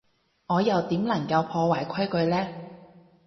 我又點能夠破壞規矩呢？